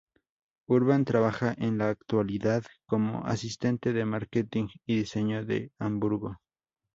Urban trabaja en la actualidad como asistente de marketing y diseño en Hamburgo.